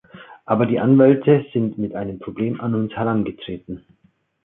Aber die Anwälte sind mit einem Problem an uns herangetreten.